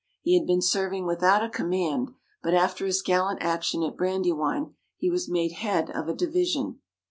He had been serving without a command, but after his gallant action at Brandywine, he was made head of a division.